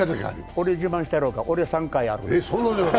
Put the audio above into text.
俺、自慢してやろうか俺、３回ある。